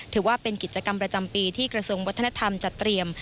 ถือว่าเป็นกิจกรรมประจำปีที่กระทรวงวัฒนธรรมจัดเตรียม